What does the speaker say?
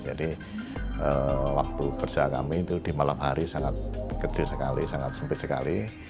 jadi waktu kerja kami itu di malam hari sangat kecil sekali sangat sempit sekali